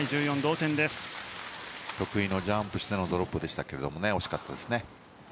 得意のジャンプしてのドロップでしたが惜しかったですね。